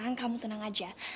sekarang kamu tenang aja